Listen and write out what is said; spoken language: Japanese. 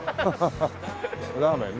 ラーメン。